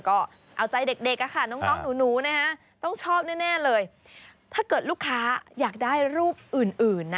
ก็เอาใจเด็กอะค่ะน้องหนูนะฮะต้องชอบแน่เลยถ้าเกิดลูกค้าอยากได้รูปอื่นอื่นนะ